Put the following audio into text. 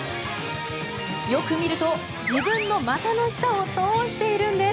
よく見ると自分の股の下を通しているんです。